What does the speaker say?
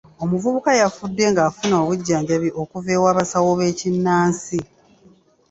Omuvubuka yafudde ng'afuna obujjanjabi okuva ew'abasawo b'ekinnansi.